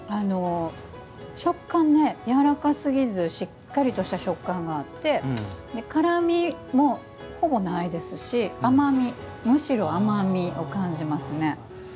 食感、やわらかすぎずしっかりとした食感があって辛みも、ほぼないですしむしろ甘みを感じますね。